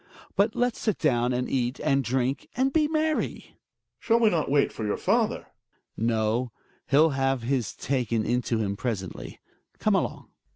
But let's sit down and eat, and drink, and be merry. Gregers. Shall we not wait for your father ? Hjalmar. No, he'll have his taken into him presently. Come along